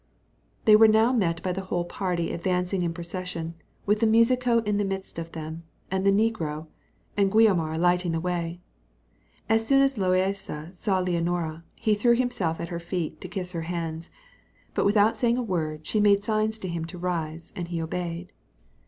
They were now met by the whole party advancing in procession, with the musico in the midst of them, and the negro and Guiomar lighting the way. As soon as Loaysa saw Leonora, he threw himself at her feet to kiss her hands; but without saying a word, she made signs to him to rise, and he obeyed.